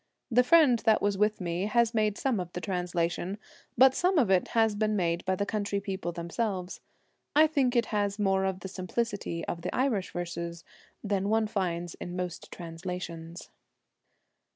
The friend that was with me has made some of the translation, but some of it has been made by the country people themselves. I think it has more of the simplicity of the Irish verses than one finds in most translations.